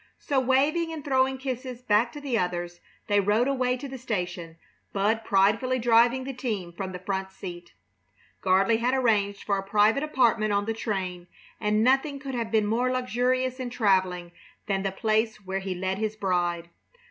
So, waving and throwing kisses back to the others, they rode away to the station, Bud pridefully driving the team from the front seat. Gardley had arranged for a private apartment on the train, and nothing could have been more luxurious in traveling than the place where he led his bride.